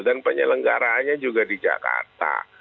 dan penyelenggaraannya juga di jakarta